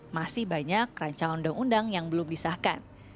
masih banyak rancangan undang undang yang belum disahkan